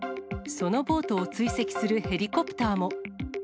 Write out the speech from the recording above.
そのボートを追跡するヘリコプターも。